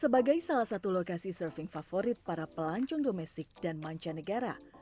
sebagai salah satu lokasi surfing favorit para pelancong domestik dan mancanegara